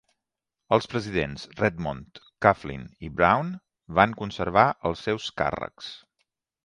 Els presidents Redmond, Coughlin i Brown van conservar els seus càrrecs.